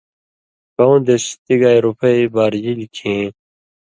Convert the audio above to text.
کؤں دېس تی گائ رُپئ بارژِلیۡ کھیں